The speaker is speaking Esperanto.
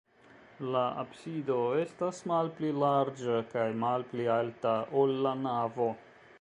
La absido estas malpli larĝa kaj malpli alta, ol la navo.